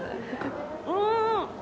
うん！